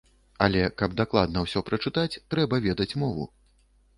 Але, каб дакладна ўсё прачытаць, трэба ведаць мову.